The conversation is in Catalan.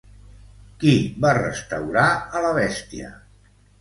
Qui va restaurar a la bèstia?